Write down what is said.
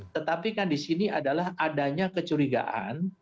tetapi kan disini adalah adanya kecurigaan